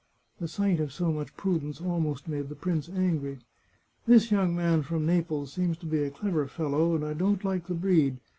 The sight of so much pru dence almost made the prince angry. " This young man from Naples seems to be a clever fellow, and I don't like the breed.